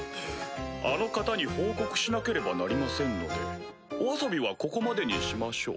あの方に報告しなければなりませんのでお遊びはここまでにしましょう。